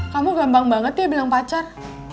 kamu gampang banget ya bilang pacar